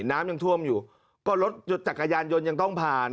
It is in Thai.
น้ำยังท่วมอยู่ก็รถจักรยานยนต์ยังที่ต้องผ่านคนเดินเท้ายังที่ต้องผ่าน